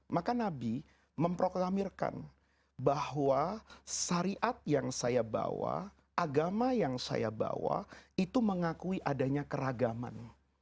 maka nabi memproklamirkan bahwa syariat yang saya bawa agama yang saya bawa itu mengakui adanya keragaman